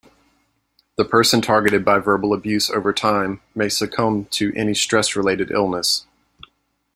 The person targeted by verbal abuse over time may succumb to any stress-related illness.